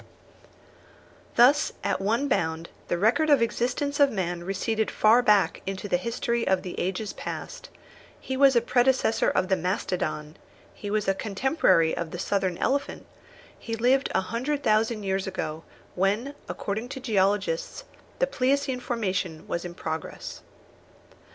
Thus, at one bound, the record of the existence of man receded far back into the history of the ages past; he was a predecessor of the mastodon; he was a contemporary of the southern elephant; he lived a hundred thousand years ago, when, according to geologists, the pleiocene formation was in progress.